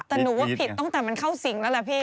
แต่หนูว่าผิดตั้งแต่มันเข้าสิงแล้วล่ะพี่